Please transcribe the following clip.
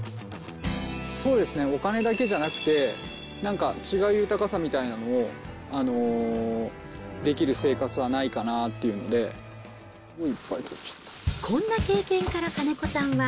そうですね、お金だけじゃなくて、なんか違う豊かさみたいなものをできる生活はないかなっていうのこんな経験から、金子さんは、